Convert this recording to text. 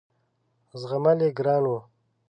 زغمل یې ګران وه.